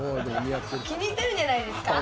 気に入ってるんじゃないですか」